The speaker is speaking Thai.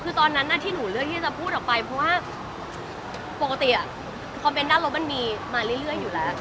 คือตอนนั้นที่หนูเลือกที่จะพูดออกไปเพราะว่าปกติคอมเมนต์ด้านลบมันมีมาเรื่อยอยู่แล้ว